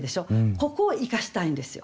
ここを生かしたいんですよ。